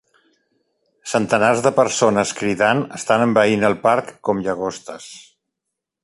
Centenars de persones cridant estan envaint el parc com llagostes!